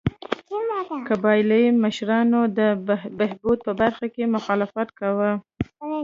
قبایلي مشرانو د بهبود په برخه کې مخالفت کاوه.